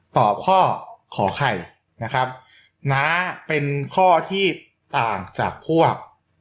ตอบข้อขอไข่น้าเป็นข้อที่ต่างจากพวก